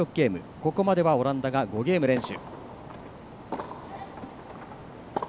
ここまではオランダが５ゲーム連取。